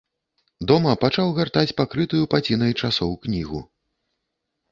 Дома пачаў гартаць пакрытую пацінай часоў кнігу.